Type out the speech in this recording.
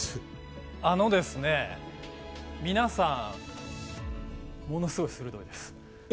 あのですね、皆さん、ものすごく鋭いです。